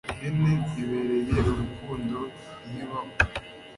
Ihene ibereye urukundo ntibaho